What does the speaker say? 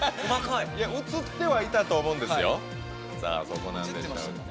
映ってはいたと思うんですけどね。